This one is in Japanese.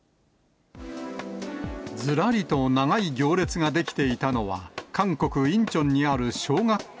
ずらりと長い行列が出来ていたのは、韓国・インチョンにある小学校。